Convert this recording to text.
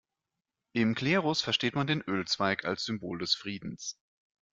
Im Klerus versteht man den Ölzweig als Symbol des Friedens.